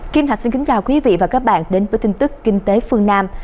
kim thạch xin kính chào quý vị và các bạn đến với tin tức kinh tế phương nam